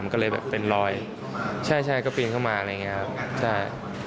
ก็เลยแบบเป็นรอยใช่ใช่ก็ปีนเข้ามาอะไรอย่างนี้ครับใช่